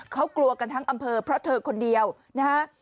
เขากลัวกันทั้งอำเภอเพราะเธอคนเดียวนะฮะ